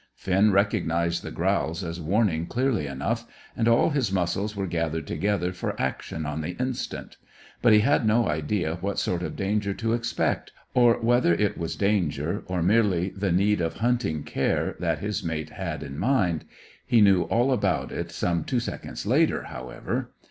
Finn recognized the growl as warning clearly enough, and all his muscles were gathered together for action on the instant; but he had no idea what sort of danger to expect, or whether it was danger or merely the need of hunting care that his mate had in mind. He knew all about it some two seconds later, however.